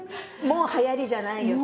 もうはやりじゃないよと。